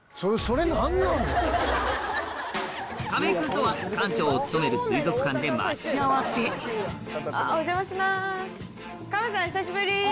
亀井君とは館長を務める水族館で待ち合わせお邪魔します。